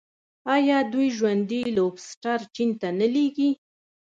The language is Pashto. آیا دوی ژوندي لوبسټر چین ته نه لیږي؟